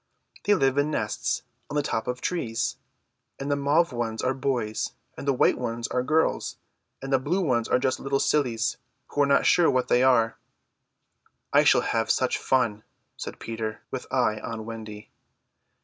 They live in nests on the tops of trees; and the mauve ones are boys and the white ones are girls, and the blue ones are just little sillies who are not sure what they are." "I shall have such fun," said Peter, with eye on Wendy.